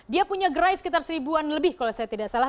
dia punya gerai sekitar seribuan lebih kalau saya tidak salah